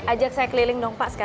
ajak saya keliling dong pak sekarang